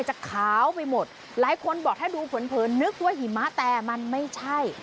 หลายคนบอกถ้าดูเผินนึกว่าหิมะแต่มันไม่ใช่